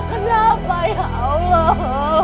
kenapa ya allah